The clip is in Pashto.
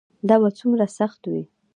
دا به څومره سخت وي.